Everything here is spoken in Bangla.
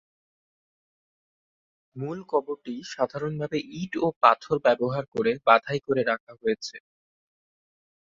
মূল কবরটি সাধারণভাবে ইট ও পাথর ব্যবহার করে বাঁধাই করে রাখা হয়েছে।